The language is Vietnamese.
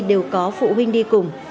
đều có phụ huynh đi cùng